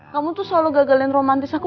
kamu tuh selalu gagalin romantis aku